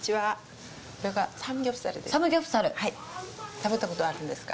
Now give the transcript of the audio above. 食べたことあるんですか？